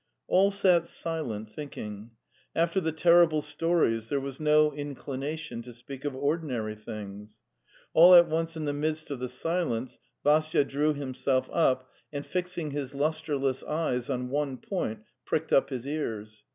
All sat silent, thinking. After the terrible stories there was no inclination to speak of ordinary things. All at once in the midst of the silence Vassya drew himself up and, fixing his lustreless eyes on one point, pricked up his ears.